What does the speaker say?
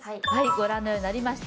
ご覧のようになりました